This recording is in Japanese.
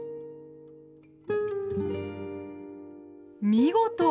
見事！